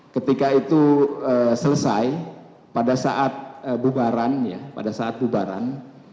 ketika itu selesai pada saat bubaran ya pada saat bubaran